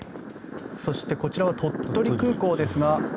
そしてこちらは鳥取空港ですが。